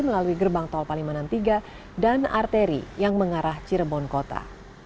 melalui gerbang tol palimanan tiga dan arteri yang mengarah cirebon kota